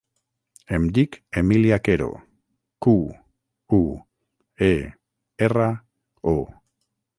Em dic Emília Quero: cu, u, e, erra, o.